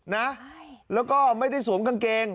นะแล้วก็ไม่ได้สวมกางเกง